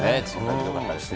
よかったですね。